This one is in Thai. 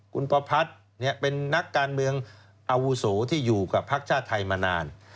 คุณประพัทธ์เป็นนักการเมืองอาวุโสที่อยู่กับพักชาติไทยมานาน